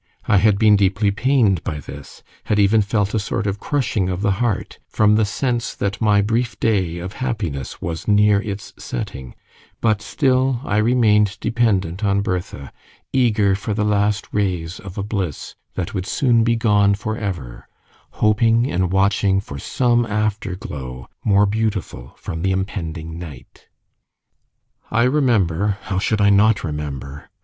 I had been deeply pained by this had even felt a sort of crushing of the heart, from the sense that my brief day of happiness was near its setting; but still I remained dependent on Bertha, eager for the last rays of a bliss that would soon be gone for ever, hoping and watching for some after glow more beautiful from the impending night. I remember how should I not remember?